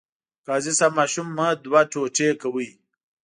قاضي صیب ماشوم مه دوه ټوټې کوئ.